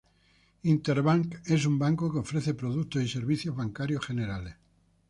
Interbank es un banco que ofrece productos y servicios bancarios generales.